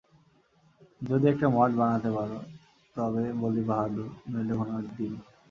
যদি একটা মঠ বানাতে পার, তবে বলি বাহাদুর, নইলে ঘোড়ার ডিম।